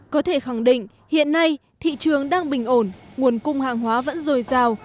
có thể khẳng định hiện nay thị trường đang bình ổn nguồn cung hàng hóa vẫn dồi dào